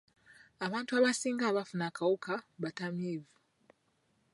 Abantu abasinga abaafuna akawuka batamiivu.